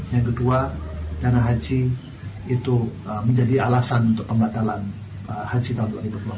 yang kedua dana haji itu menjadi alasan untuk pembatalan haji tahun dua ribu dua puluh